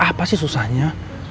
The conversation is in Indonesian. apa sih susahnya